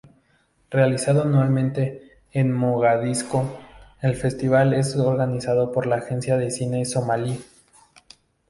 Realizado anualmente en Mogadiscio, el festival es organizado por la Agencia de Cine Somalí.